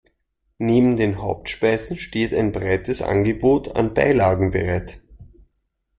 Neben den Hauptspeisen steht ein breites Angebot an Beilagen bereit.